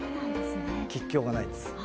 吉凶がないんです。